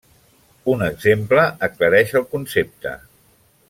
Un exemple aclareix el concepte.